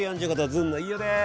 ずんの飯尾です。